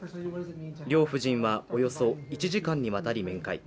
両夫人はおよそ１時間にわたり面会。